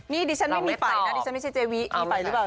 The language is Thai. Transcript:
นี่ดิฉันไม่มีไปนะดิฉันไม่ใช่เจวิมีไปหรือเปล่า